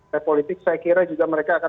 repolitik saya kira juga mereka akan